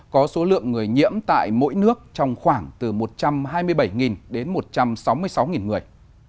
có số lượng người nhiễm tại mỗi nước trong khoảng từ một trăm hai mươi bảy đến một trăm sáu mươi sáu người